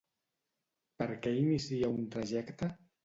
Per què inicia un trajecte?